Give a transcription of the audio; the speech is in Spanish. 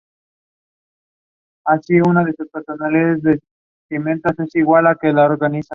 Bulgaria tiene una embajada en Madrid y un consulado honorario en Barcelona.